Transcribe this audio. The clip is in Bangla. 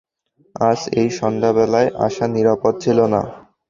আজ এই সন্ধ্যাবেলায় আসা নিরাপদ ছিল না।